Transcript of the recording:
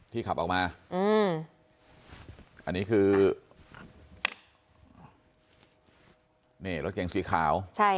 ที่ขับออกมาอันนี้คือรถเก่งสีขาวใช่ค่ะ